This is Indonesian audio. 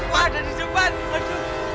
wah ada di jepang